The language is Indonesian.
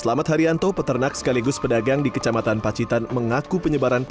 selamat hari anto peternak sekaligus pedagang di kecamatan pacitan mengaku penyebaran sapi tua